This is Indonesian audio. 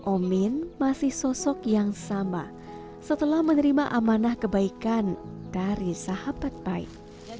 omin masih sosok yang sama setelah menerima amanah kebaikan dari sahabat baik